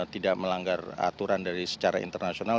tidak melanggar aturan dari secara internasional